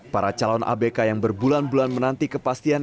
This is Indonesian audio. para calon abk yang berbulan bulan menanti kepastian